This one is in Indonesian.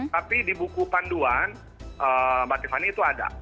tapi di buku panduan mbak tiffany itu ada